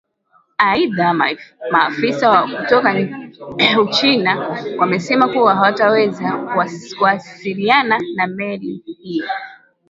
aidha maafisa kutoka uchina wamesema kuwa hawajaweza kuasiliana na meli hiyo